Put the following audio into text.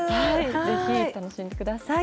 ぜひ楽しんでください。